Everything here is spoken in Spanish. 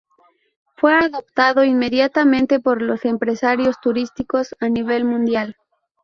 Fue adoptado inmediatamente por los empresarios turísticos a nivel mundial.